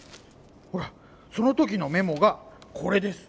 ほらその時のメモがこれです。